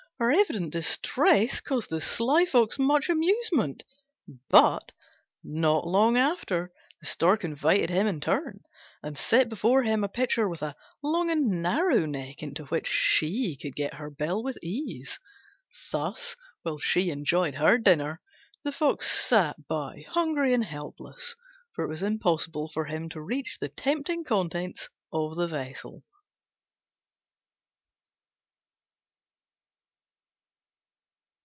Her evident distress caused the sly Fox much amusement. But not long after the Stork invited him in turn, and set before him a pitcher with a long and narrow neck, into which she could get her bill with ease. Thus, while she enjoyed her dinner, the Fox sat by hungry and helpless, for it was impossible for him to reach the tempting contents of the vessel.